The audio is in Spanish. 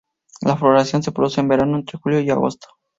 La floración se produce en verano, entre julio y agosto.